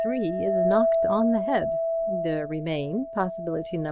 3 is knocked on the head. There remain Possibility No.